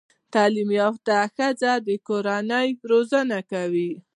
تعليم يافته ښځه د کورنۍ روزانه کوي